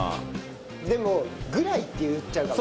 でもぐらいって言っちゃうかも。